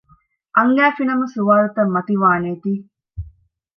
އަންގައިފި ނަމަ ސުވާލުތައް މަތިވާނޭތީ